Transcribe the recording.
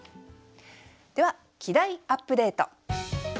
では「季題アップデート」。